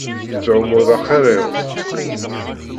Tettɛummuḍ axiṛ-iw.